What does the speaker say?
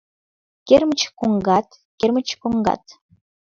Кермыч коҥгат, кермыч коҥгат